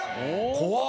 怖っ！